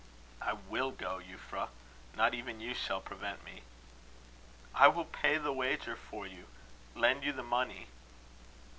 "I will go, Euphra. Not even you shall prevent me." "I will pay the wager for you lend you the money."